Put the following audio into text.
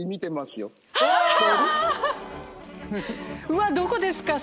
うわどこですか？